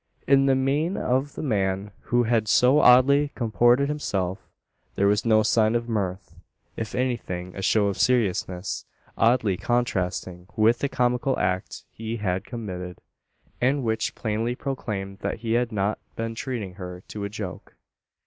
In the mien of the man, who had so oddly comported himself, there was no sign of mirth. If anything, a show of seriousness, oddly contrasting with the comical act he had committed; and which plainly proclaimed that he had not been treating her to a joke.